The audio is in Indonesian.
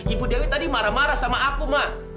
ibu dewi tadi marah marah sama aku mah